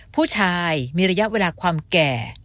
ผู้ชายมีระยะเวลาความแก่